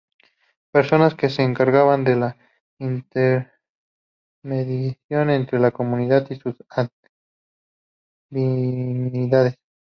Persona que se encargaba de la intermediación entre la comunidad y sus divinidades.